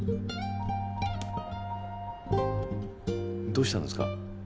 どうしたんですか？